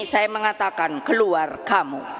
saya mengatakan keluar kamu